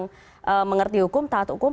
tapi kalau memang mengerti hukum taat hukum